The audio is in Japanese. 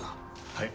はい。